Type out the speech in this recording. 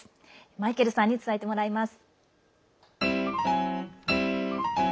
マイケルさんに伝えてもらいます。